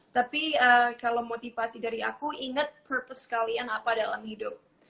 tapi kalau motivasi dari aku inget purpose kalian apa dalam hidup